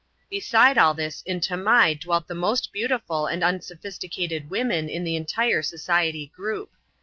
Beside all this, in Tamai dwelt the most beautiful and im sophisticated women in the entire Society group.